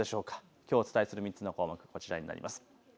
きょうお伝えする３つの項目、こちらです。